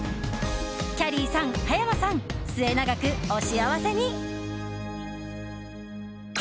きゃりーさん、葉山さん末永くお幸せに。